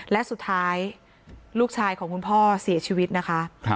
และสุดท้ายลูกชายของคุณพ่อเสียชีวิตนะคะ